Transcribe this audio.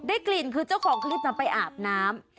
กลิ่นคือเจ้าของคลิปไปอาบน้ำ